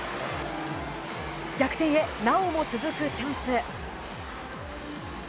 逆転へなおも続くチャンス。